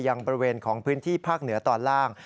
ยังบริเวณของพื้นที่ภาคเหนือตอนล่าง